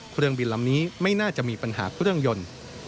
เครื่องบินลำนี้ไม่น่าจะมีปัญหาเครื่องยนต์